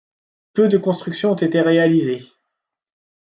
Peu de construction ont été réalisées.